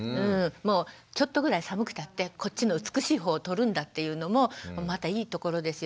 ちょっとぐらい寒くたってこっちの美しい方取るんだっていうのもまたいいところですよ。